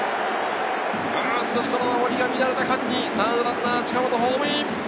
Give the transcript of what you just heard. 少し乱れた間にサードランナー、近本、ホームイン。